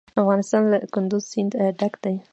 افغانستان له کندز سیند ډک دی.